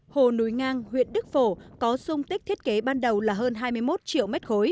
hồ núi ngang huyện đức phổ có dung tích thiết kế ban đầu là hơn hai mươi một triệu m ba